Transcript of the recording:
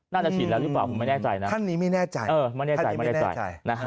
น่าจะฉีดแล้วหรือเปล่าผมไม่แน่ใจนะท่านนี้ไม่แน่ใจไม่แน่ใจไม่แน่ใจนะฮะ